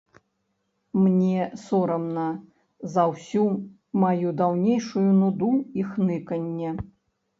Мне сорамна за ўсю маю даўнейшую нуду і хныканне.